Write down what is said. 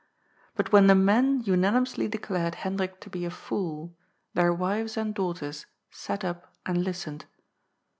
— but when the men unanimously declared Hendrik to be a fool, their wives and daughters sat up and listened.